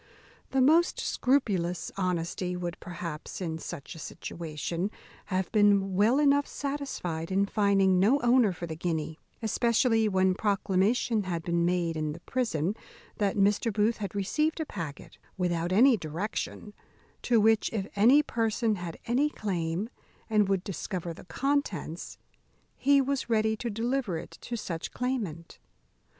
The most scrupulous honesty would, perhaps, in such a situation, have been well enough satisfied in finding no owner for the guinea; especially when proclamation had been made in the prison that Mr. Booth had received a packet without any direction, to which, if any person had any claim, and would discover the contents, he was ready to deliver it to such claimant.